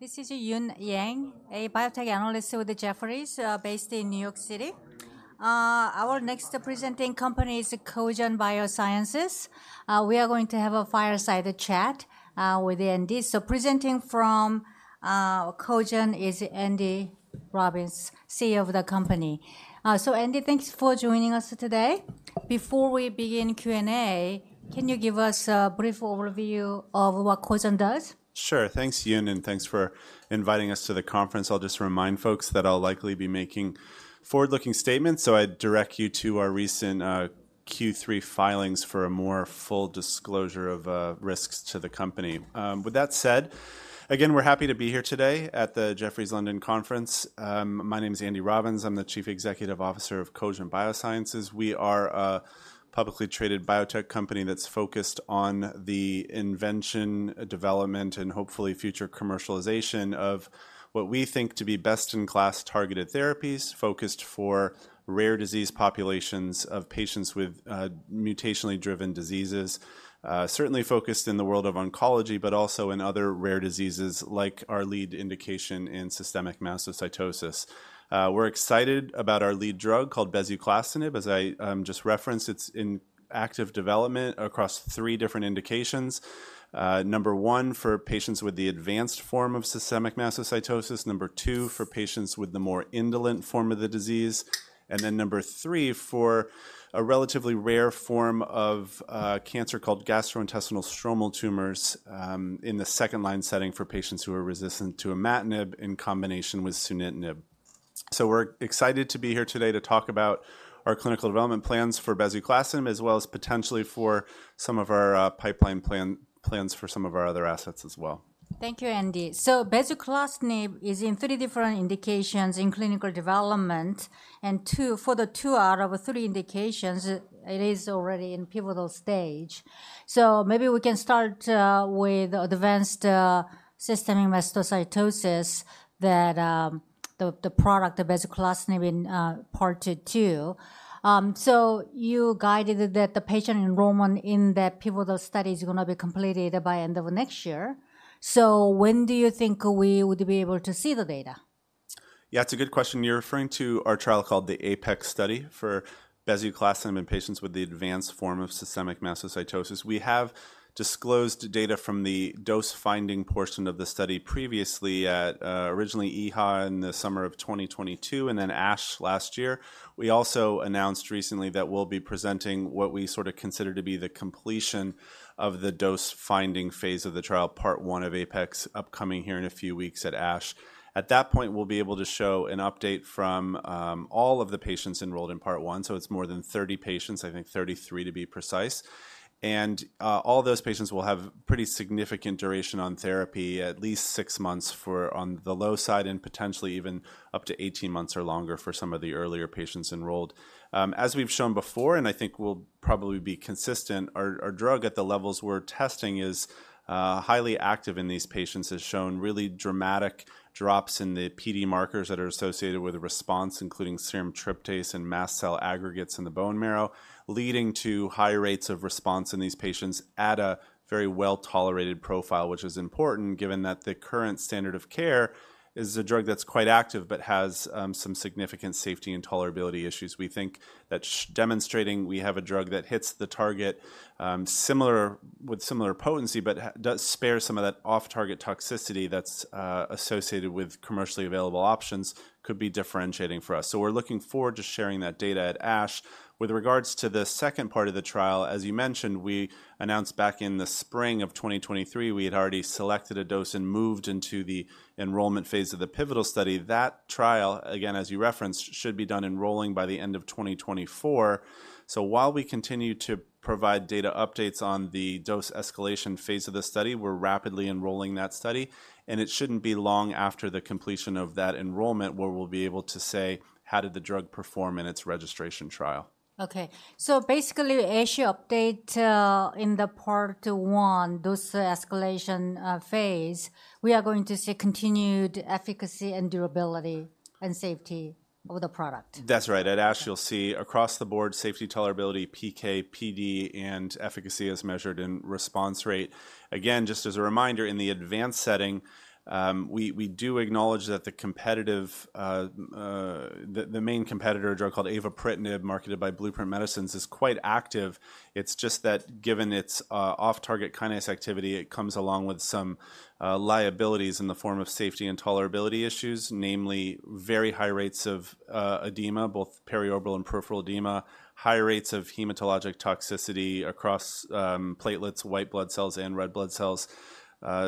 This is Eun Yang, a biotech analyst with Jefferies, based in New York City. Our next presenting company is Cogent Biosciences. We are going to have a fireside chat with Andy. So presenting from Cogent is Andy Robbins, CEO of the company. So Andy, thanks for joining us today. Before we begin Q&A, can you give us a brief overview of what Cogent does? Sure. Thanks, Eun, and thanks for inviting us to the conference. I'll just remind folks that I'll likely be making forward-looking statements, so I'd direct you to our recent Q3 filings for a more full disclosure of risks to the company. With that said, again, we're happy to be here today at the Jefferies London Conference. My name is Andy Robbins. I'm the Chief Executive Officer of Cogent Biosciences. We are a publicly traded biotech company that's focused on the invention, development, and hopefully future commercialization of what we think to be best-in-class targeted therapies, focused for rare disease populations of patients with mutationally driven diseases. Certainly focused in the world of oncology, but also in other rare diseases like our lead indication in systemic mastocytosis. We're excited about our lead drug called bezuclastinib. As I just referenced, it's in active development across three different indications. Number one, for patients with the advanced form of systemic mastocytosis. Number two, for patients with the more indolent form of the disease, and then number three, for a relatively rare form of cancer called gastrointestinal stromal tumors, in the second-line setting for patients who are resistant to imatinib in combination with sunitinib. So we're excited to be here today to talk about our clinical development plans for bezuclastinib, as well as potentially for some of our pipeline plans for some of our other assets as well. Thank you, Andy. So bezuclastinib is in three different indications in clinical development, and two—for the two out of three indications, it is already in pivotal stage. So maybe we can start with advanced systemic mastocytosis that the product, the bezuclastinib Part 1. So you guided that the patient enrollment in that pivotal study is gonna be completed by end of next year. So when do you think we would be able to see the data? Yeah, it's a good question. You're referring to our trial called the Apex study for bezuclastinib in patients with the advanced form of systemic mastocytosis. We have disclosed data from the dose-finding portion of the study previously at originally EHA in the summer of 2022 and then ASH last year. We also announced recently that we'll be presenting what we sort of consider to be the completion of the dose-finding phase of the trial, Part 1 of Apex, upcoming here in a few weeks at ASH. At that point, we'll be able to show an update from all of the patients enrolled in Part 1, so it's more than 30 patients, I think 33, to be precise. All those patients will have pretty significant duration on therapy, at least six months for on the low side, and potentially even up to 18 months or longer for some of the earlier patients enrolled. As we've shown before, and I think we'll probably be consistent, our drug at the levels we're testing is highly active in these patients, has shown really dramatic drops in the PD markers that are associated with a response, including serum tryptase and mast cell aggregates in the bone marrow, leading to high rates of response in these patients at a very well-tolerated profile, which is important, given that the current standard of care is a drug that's quite active but has some significant safety and tolerability issues. We think that demonstrating we have a drug that hits the target, similar, with similar potency, but does spare some of that off-target toxicity that's associated with commercially available options, could be differentiating for us. So we're looking forward to sharing that data at ASH. With regards to the second part of the trial, as you mentioned, we announced back in the spring of 2023, we had already selected a dose and moved into the enrollment phase of the pivotal study. That trial, again, as you referenced, should be done enrolling by the end of 2024. So while we continue to provide data updates on the dose escalation phase of the study, we're rapidly enrolling that study, and it shouldn't be long after the completion of that enrollment where we'll be able to say, "How did the drug perform in its registration trial? Okay. So basically, ASH update, in the Part 1, dose escalation, phase, we are going to see continued efficacy and durability and safety of the product? That's right. At ASH, you'll see across the board, safety, tolerability, PK, PD, and efficacy as measured in response rate. Again, just as a reminder, in the advanced setting, we do acknowledge that the competitive, the main competitor, a drug called avapritinib, marketed by Blueprint Medicines, is quite active. It's just that given its off-target kinase activity, it comes along with some liabilities in the form of safety and tolerability issues, namely very high rates of edema, both periorbital and peripheral edema, high rates of hematologic toxicity across platelets, white blood cells, and red blood cells,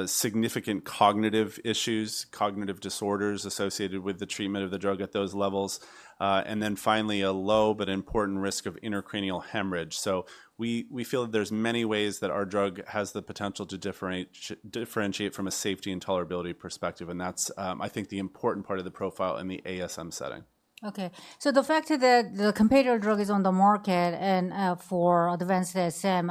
significant cognitive issues, cognitive disorders associated with the treatment of the drug at those levels, and then finally, a low but important risk of intracranial hemorrhage. We feel that there's many ways that our drug has the potential to differentiate from a safety and tolerability perspective, and that's, I think, the important part of the profile in the ASM setting. Okay. So the fact that the competitor drug is on the market and for advanced ASM,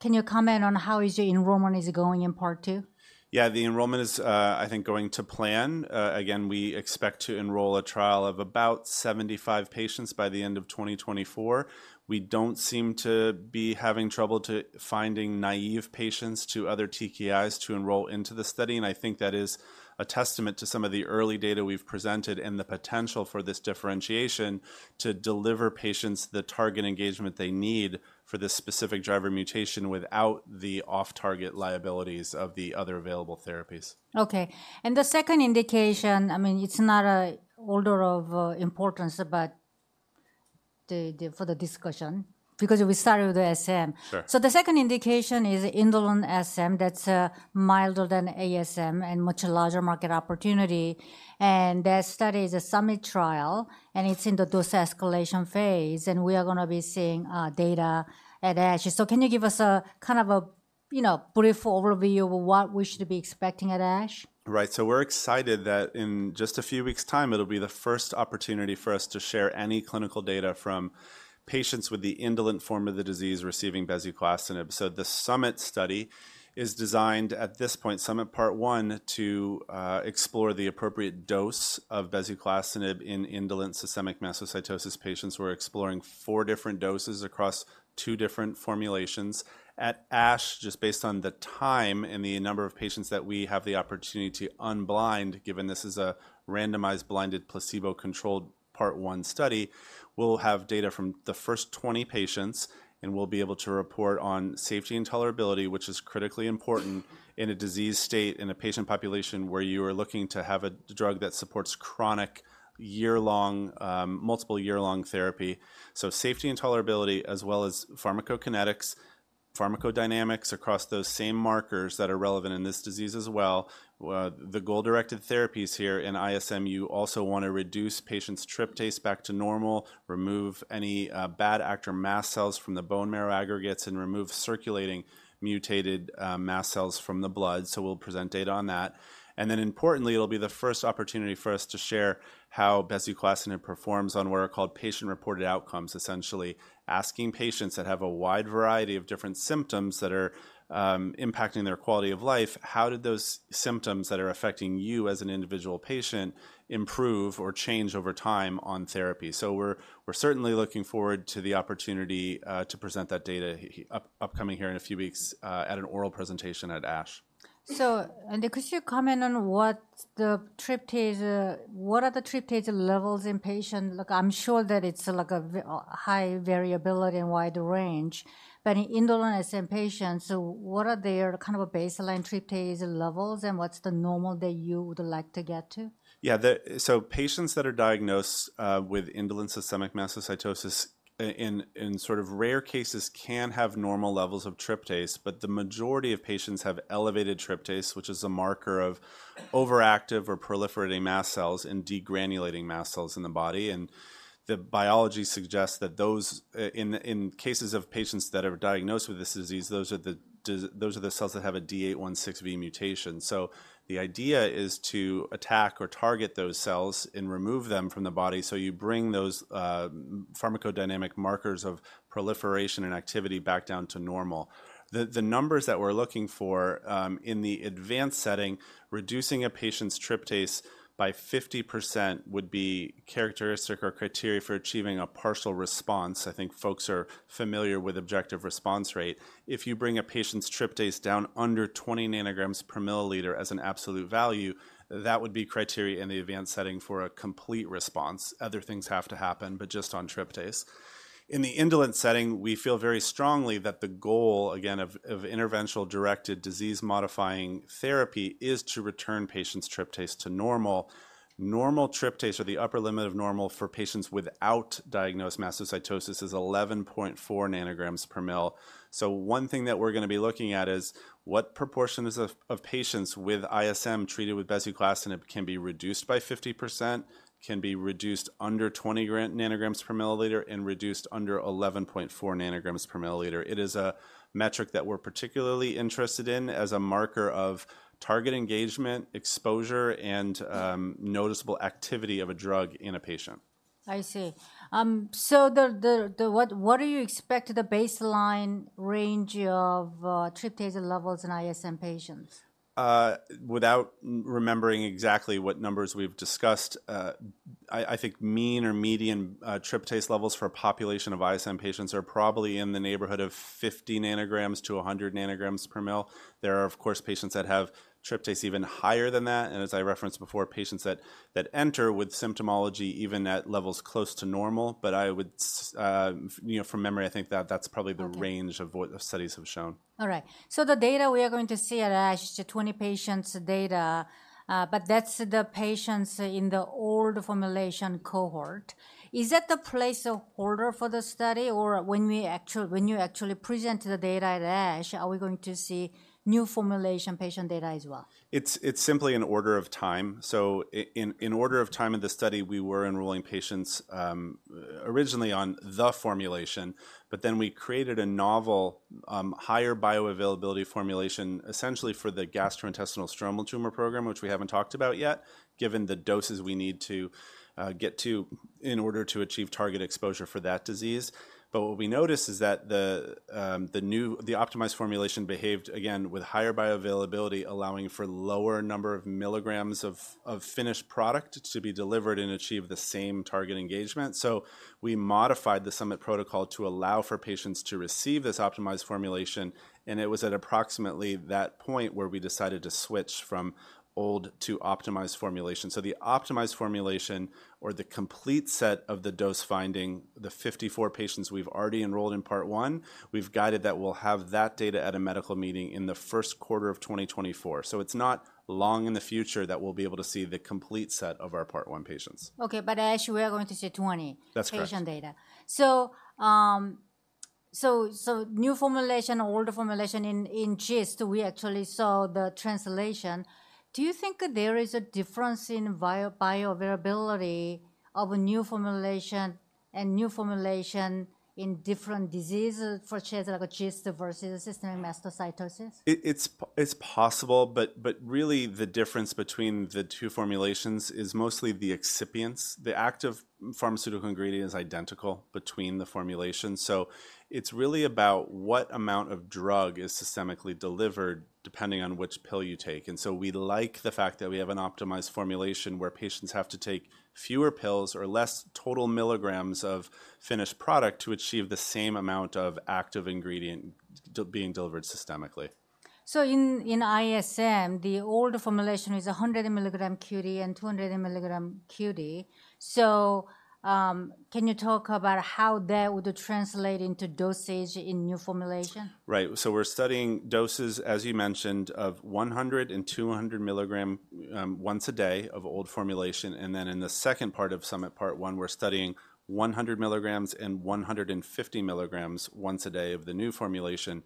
can you comment on how your enrollment is going in Part 1? Yeah, the enrollment is, I think, going to plan. Again, we expect to enroll a trial of about 75 patients by the end of 2024. We don't seem to be having trouble to finding naive patients to other TKIs to enroll into the study, and I think that is a testament to some of the early data we've presented and the potential for this differentiation to deliver patients the target engagement they need for this specific driver mutation without the off-target liabilities of the other available therapies. Okay, and the second indication, I mean, it's not a order of importance, but for the discussion, because we started with the SM. Sure. So the second indication is indolent SM, that's milder than ASM and much larger market opportunity, and that study is a Summit trial, and it's in the dose escalation phase, and we are gonna be seeing data at ASH. So can you give us a kind of a, you know, brief overview of what we should be expecting at ASH? Right. So we're excited that in just a few weeks' time, it'll be the first opportunity for us to share any clinical data from patients with the indolent form of the disease receiving bezuclastinib. So the Summit study is designed, at this point, Summit Part 1, to explore the appropriate dose of bezuclastinib in indolent systemic mastocytosis patients. We're exploring four different doses across two different formulations. At ASH, just based on the time and the number of patients that we have the opportunity to unblind, given this is a randomized, blinded, placebo-controlled Part 1 study, we'll have data from the first 20 patients, and we'll be able to report on safety and tolerability, which is critically important in a disease state, in a patient population where you are looking to have a drug that supports chronic, year-long, multiple year-long therapy. So safety and tolerability, as well as pharmacokinetics, pharmacodynamics across those same markers that are relevant in this disease as well. The goal-directed therapies here in ISM, you also wanna reduce patients' tryptase back to normal, remove any, bad actor mast cells from the bone marrow aggregates, and remove circulating mutated, mast cells from the blood, so we'll present data on that. And then importantly, it'll be the first opportunity for us to share how bezuclastinib performs on what are called patient-reported outcomes, essentially asking patients that have a wide variety of different symptoms that are impacting their quality of life, "How did those symptoms that are affecting you as an individual patient improve or change over time on therapy?" So we're certainly looking forward to the opportunity to present that data upcoming here in a few weeks at an oral presentation at ASH. So, could you comment on what the tryptase levels in patient are? Look, I'm sure that it's, like, a high variability and wide range, but in indolent SM patients, so what are their kind of a baseline tryptase levels, and what's the normal that you would like to get to? So patients that are diagnosed with indolent systemic mastocytosis in sort of rare cases can have normal levels of tryptase, but the majority of patients have elevated tryptase, which is a marker of overactive or proliferating mast cells and degranulating mast cells in the body. And the biology suggests that those in cases of patients that are diagnosed with this disease, those are the cells that have a D816V mutation. So the idea is to attack or target those cells and remove them from the body, so you bring those pharmacodynamic markers of proliferation and activity back down to normal. The numbers that we're looking for in the advanced setting, reducing a patient's tryptase by 50% would be characteristic or criteria for achieving a partial response. I think folks are familiar with objective response rate. If you bring a patient's tryptase down under 20 ng/mL as an absolute value, that would be criteria in the advanced setting for a complete response. Other things have to happen, but just on tryptase. In the indolent setting, we feel very strongly that the goal, again, of interventional-directed disease-modifying therapy is to return patients' tryptase to normal. Normal tryptase or the upper limit of normal for patients without diagnosed mastocytosis is 11.4 ng/mL. So one thing that we're gonna be looking at is, what proportions of patients with ISM treated with bezuclastinib can be reduced by 50%, can be reduced under 20 ng/mL, and reduced under 11.4 ng/mL? It is a metric that we're particularly interested in as a marker of target engagement, exposure, and noticeable activity of a drug in a patient. I see. So, what do you expect the baseline range of tryptase levels in ISM patients? Without remembering exactly what numbers we've discussed, I think mean or median, tryptase levels for a population of ISM patients are probably in the neighborhood of 50-100 ng/mL. There are, of course, patients that have tryptase even higher than that, and as I referenced before, patients that enter with symptomology even at levels close to normal. But I would, you know, from memory, I think that that's probably- Okay... the range of what the studies have shown. All right. So the data we are going to see at ASH, 20 patients' data, but that's the patients in the old formulation cohort. Is that the place of order for the study, or when we actually, when you actually present the data at ASH, are we going to see new formulation patient data as well? It's simply an order of time. So in order of time in the study, we were enrolling patients originally on the formulation, but then we created a novel higher bioavailability formulation, essentially for the gastrointestinal stromal tumor program, which we haven't talked about yet, given the doses we need to get to in order to achieve target exposure for that disease. But what we noticed is that the new optimized formulation behaved, again, with higher bioavailability, allowing for lower number of milligrams of finished product to be delivered and achieve the same target engagement. So we modified the Summit protocol to allow for patients to receive this optimized formulation, and it was at approximately that point where we decided to switch from old to optimized formulation. So the optimized formulation or the complete set of the dose finding, the 54 patients we've already enrolled in Part 1, we've guided that we'll have that data at a medical meeting in the first quarter of 2024. So it's not long in the future that we'll be able to see the complete set of our Part 1 patients. Okay, but ASH, we are going to see 20- That's correct... patient data. So, new formulation, older formulation in GIST, we actually saw the translation. Do you think there is a difference in bioavailability of a new formulation and new formulation in different diseases, for instance, like a GIST versus systemic mastocytosis? It's possible, but really the difference between the two formulations is mostly the excipients. The active pharmaceutical ingredient is identical between the formulations, so it's really about what amount of drug is systemically delivered, depending on which pill you take. And so we like the fact that we have an optimized formulation where patients have to take fewer pills or less total milligrams of finished product to achieve the same amount of active ingredient being delivered systemically. So in ISM, the older formulation is 100 mg QD and 200 mg QD. So, can you talk about how that would translate into dosage in new formulation? Right. So we're studying doses, as you mentioned, of 100 and 200 mg once a day of old formulation, and then in the second part of Summit Part 1, we're studying 100 mg and 150 mg once a day of the new formulation.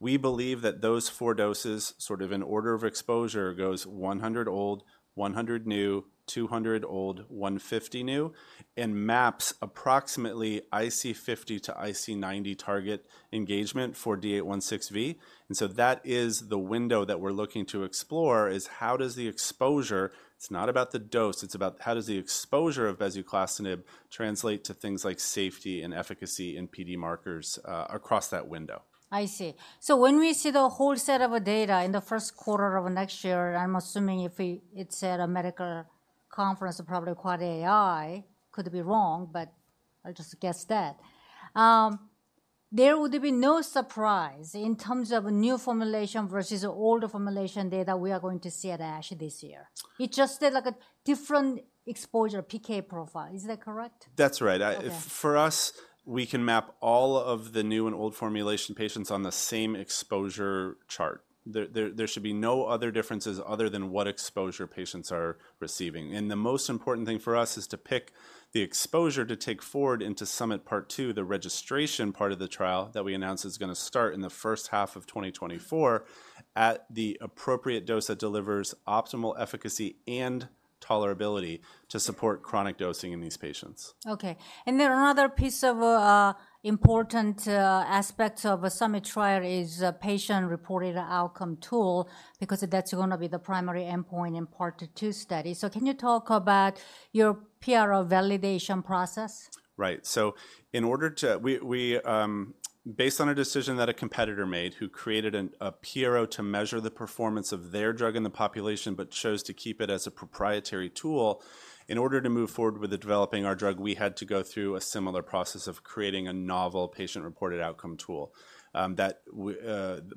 We believe that those four doses, sort of in order of exposure, goes 100 old, 100 new, 200 old, 150 new, and maps approximately IC50-IC90 target engagement for D816V. And so that is the window that we're looking to explore, is how does the exposure. It's not about the dose, it's about how does the exposure of bezuclastinib translate to things like safety and efficacy in PD markers across that window? I see. So when we see the whole set of data in the first quarter of next year, I'm assuming it's at a medical conference, probably EHA, could be wrong, but I'll just guess that. There would be no surprise in terms of new formulation versus older formulation data we are going to see at ASH this year. It's just like a different exposure PK profile. Is that correct? That's right. Okay. For us, we can map all of the new and old formulation patients on the same exposure chart. There should be no other differences other than what exposure patients are receiving. The most important thing for us is to pick the exposure to take forward into Summit Part 2, the registration part of the trial that we announced is gonna start in the first half of 2024, at the appropriate dose that delivers optimal efficacy and tolerability to support chronic dosing in these patients. Okay. And there are another piece of important aspects of a Summit trial is a patient-reported outcome tool, because that's gonna be the primary endpoint in Part 2 study. So can you talk about your PRO validation process? Right. So in order to, based on a decision that a competitor made, who created a PRO to measure the performance of their drug in the population, but chose to keep it as a proprietary tool, in order to move forward with the developing our drug, we had to go through a similar process of creating a novel patient-reported outcome tool. That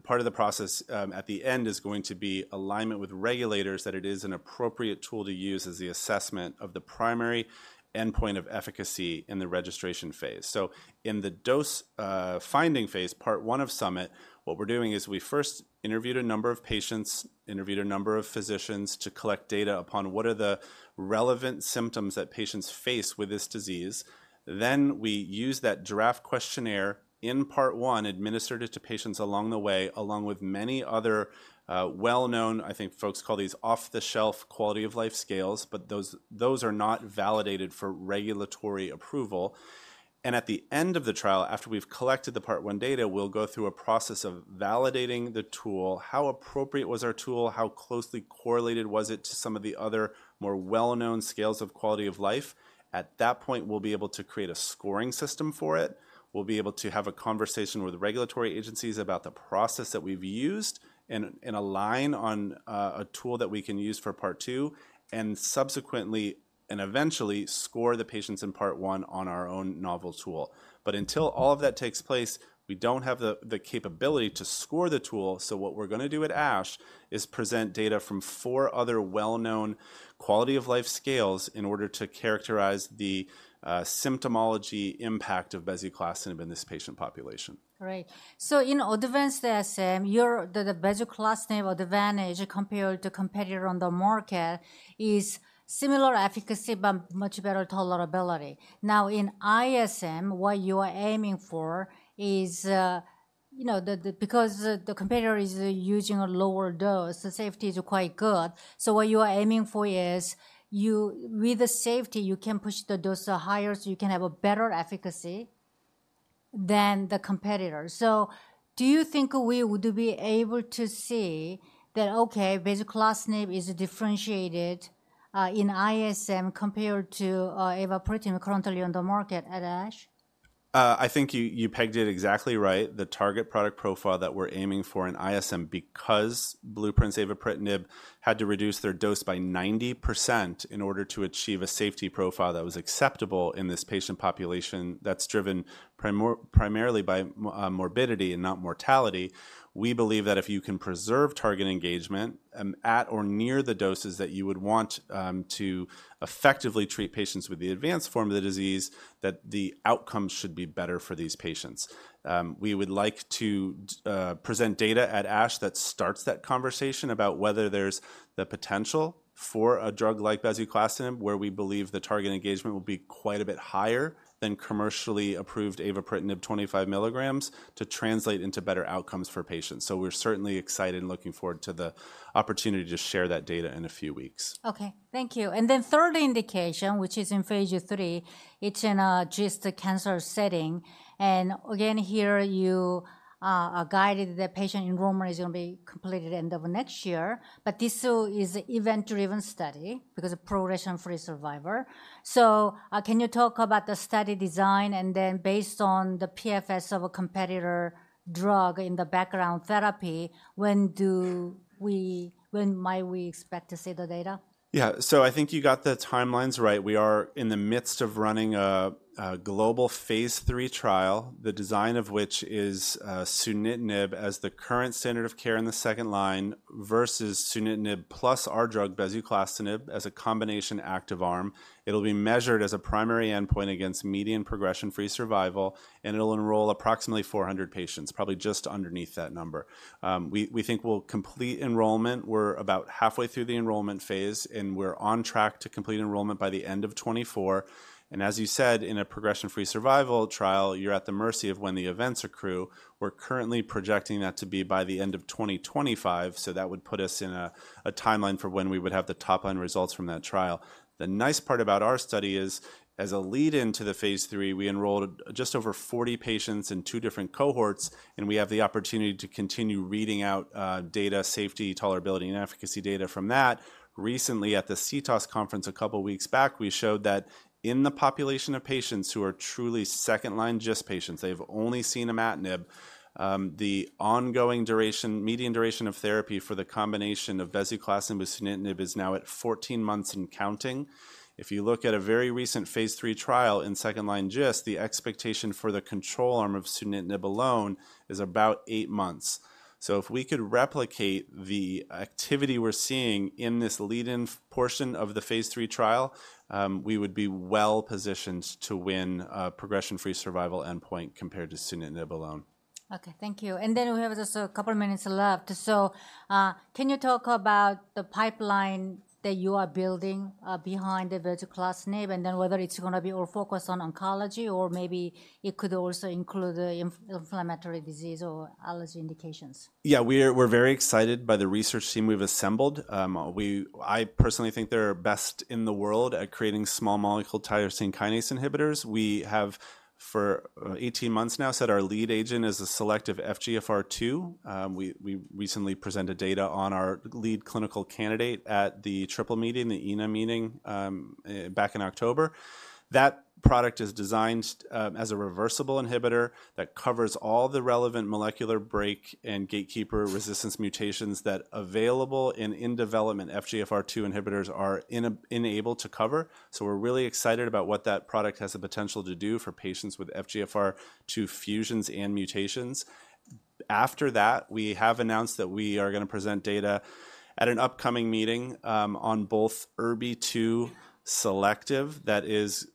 part of the process, at the end, is going to be alignment with regulators, that it is an appropriate tool to use as the assessment of the primary endpoint of efficacy in the registration phase. So in the dose finding phase, Part 1 of Summit, what we're doing is we first interviewed a number of patients, interviewed a number of physicians, to collect data upon what are the relevant symptoms that patients face with this disease. Then we used that draft questionnaire in Part 1, administered it to patients along the way, along with many other, well-known, I think folks call these off-the-shelf quality-of-life scales, but those, those are not validated for regulatory approval. At the end of the trial, after we've collected the Part 1 data, we'll go through a process of validating the tool. How appropriate was our tool? How closely correlated was it to some of the other more well-known scales of quality of life? At that point, we'll be able to create a scoring system for it. We'll be able to have a conversation with regulatory agencies about the process that we've used and, and align on, a tool that we can use for Part 2, and subsequently, and eventually score the patients in Part 1 on our own novel tool. But until all of that takes place, we don't have the, the capability to score the tool. So what we're gonna do at ASH is present data from four other well-known quality-of-life scales in order to characterize the symptomology impact of bezuclastinib in this patient population. Great. So in advanced ASM, your the bezuclastinib advantage compared to competitor on the market is similar efficacy, but much better tolerability. Now, in ISM, what you are aiming for is, you know, because the competitor is using a lower dose, the safety is quite good. So what you are aiming for is with the safety, you can push the dosage higher, so you can have a better efficacy than the competitor. So do you think we would be able to see that, okay, bezuclastinib is differentiated, in ISM compared to, avapritinib currently on the market at ASH?... I think you, you pegged it exactly right. The target product profile that we're aiming for in ISM, because Blueprint's avapritinib had to reduce their dose by 90% in order to achieve a safety profile that was acceptable in this patient population, that's driven primarily by morbidity and not mortality. We believe that if you can preserve target engagement, at or near the doses that you would want, to effectively treat patients with the advanced form of the disease, that the outcome should be better for these patients. We would like to present data at ASH that starts that conversation about whether there's the potential for a drug like bezuclastinib, where we believe the target engagement will be quite a bit higher than commercially approved avapritinib 25 mg to translate into better outcomes for patients. We're certainly excited and looking forward to the opportunity to share that data in a few weeks. Okay, thank you. And then third indication, which is in phase III, it's in a GIST cancer setting. And again, here, you are guided the patient enrollment is gonna be completed end of next year, but this still is event-driven study because of progression-free survival. So, can you talk about the study design, and then based on the PFS of a competitor drug in the background therapy, when might we expect to see the data? Yeah. So I think you got the timelines right. We are in the midst of running a global phase III trial, the design of which is sunitinib as the current standard of care in the second line versus sunitinib plus our drug, bezuclastinib, as a combination active arm. It'll be measured as a primary endpoint against median progression-free survival, and it'll enroll approximately 400 patients, probably just underneath that number. We think we'll complete enrollment. We're about halfway through the enrollment phase, and we're on track to complete enrollment by the end of 2024. And as you said, in a progression-free survival trial, you're at the mercy of when the events accrue. We're currently projecting that to be by the end of 2025, so that would put us in a timeline for when we would have the top-line results from that trial. The nice part about our study is, as a lead-in to the phase III, we enrolled just over 40 patients in two different cohorts, and we have the opportunity to continue reading out data, safety, tolerability, and efficacy data from that. Recently, at the CTOS conference a couple weeks back, we showed that in the population of patients who are truly second-line GIST patients, they've only seen imatinib, the ongoing duration, median duration of therapy for the combination of bezuclastinib and sunitinib is now at 14 months and counting. If you look at a very recent phase III trial in second-line GIST, the expectation for the control arm of sunitinib alone is about eight months. So if we could replicate the activity we're seeing in this lead-in portion of the phase III trial, we would be well-positioned to win a progression-free survival endpoint compared to sunitinib alone. Okay, thank you. And then we have just a couple of minutes left. So, can you talk about the pipeline that you are building behind the bezuclastinib, and then whether it's gonna be more focused on oncology or maybe it could also include the inflammatory disease or allergy indications? Yeah, we're very excited by the research team we've assembled. I personally think they're best in the world at creating small molecule tyrosine kinase inhibitors. We have, for 18 months now, said our lead agent is a selective FGFR2. We recently presented data on our lead clinical candidate at the Triple Meeting, the ENA meeting, back in October. That product is designed as a reversible inhibitor that covers all the relevant molecular break and gatekeeper resistance mutations that available and in development FGFR2 inhibitors are unable to cover. So we're really excited about what that product has the potential to do for patients with FGFR2 fusions and mutations. After that, we have announced that we are gonna present data at an upcoming meeting, on both ERBB2 selective, that is,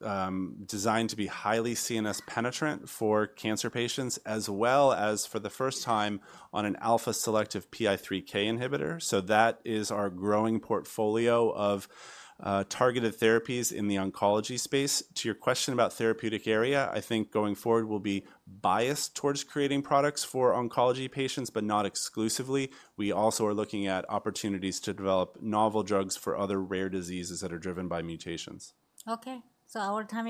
designed to be highly CNS penetrant for cancer patients, as well as for the first time, on an alpha selective PI3K inhibitor. So that is our growing portfolio of, targeted therapies in the oncology space. To your question about therapeutic area, I think going forward, we'll be biased towards creating products for oncology patients, but not exclusively. We also are looking at opportunities to develop novel drugs for other rare diseases that are driven by mutations. Okay, so our time-